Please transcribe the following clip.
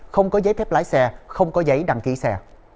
không có giấy phép lái xe không có giấy đăng ký xe